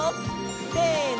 せの！